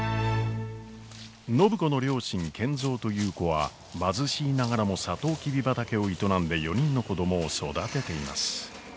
暢子の両親賢三と優子は貧しいながらもサトウキビ畑を営んで４人の子供を育てています。